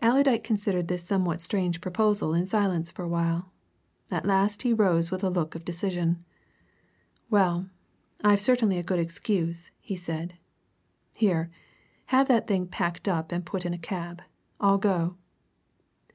Allerdyke considered this somewhat strange proposal in silence for a while. At last he rose with a look of decision. "Well, I've certainly a good excuse," he said. "Here, have that thing packed up and put in a cab I'll go."